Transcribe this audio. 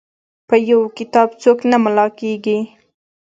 په یو کتاب څوک نه ملا کیږي.